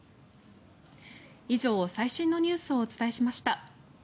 以上、最新のニュースをお伝えしました。